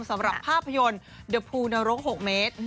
สำหรับภาพยนต์เดอะพูนโนโลก๖เมตร